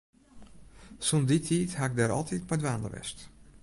Sûnt dy tiid ha ik dêr altyd mei dwaande west.